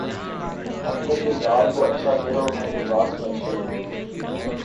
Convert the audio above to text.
اپنے کردار کو اچھا کرو ہر لباس میں اچھے لگو گے